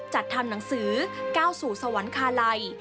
จัดทำหนังสือก้าวสู่สวรรคาลัย